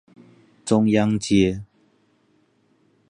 中央街